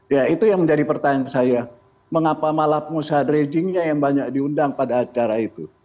ya itu yang menjadi pertanyaan saya mengapa malah pengusaha dredgingnya yang banyak diundang pada acara itu